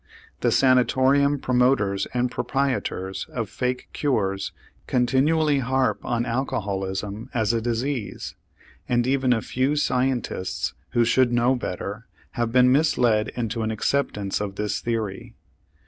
The sanatorium promoters and proprietors of fake cures continually harp on alcoholism as a disease; and even a few scientists, who should know better, have been misled into an acceptance of this theory.